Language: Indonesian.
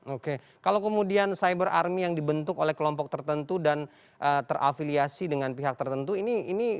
oke kalau kemudian cyber army yang dibentuk oleh kelompok tertentu dan terafiliasi dengan pihak tertentu ini